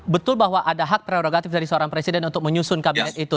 betul bahwa ada hak prerogatif dari seorang presiden untuk menyusun kabinet itu